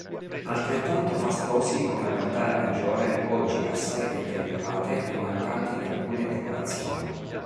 Altrettanto fastosi come l'altare maggiore, oggi assai deteriorate e mancanti di alcune decorazioni.